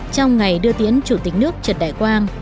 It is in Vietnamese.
trong ngày đưa tiễn chủ tịch nước trần đại quang